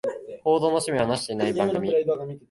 報道の使命を果たしてない番組